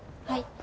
はい。